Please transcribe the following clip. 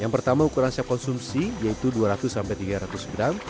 yang pertama ukuran siap konsumsi yaitu dua ratus tiga ratus gram